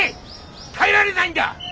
耐えられないんだ！